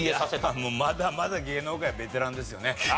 やっぱまだまだ芸能界はベテランですよね。